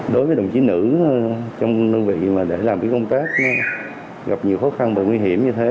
đối với đồng chí nữ trong đơn vị mà để làm công tác gặp nhiều khó khăn và nguy hiểm như thế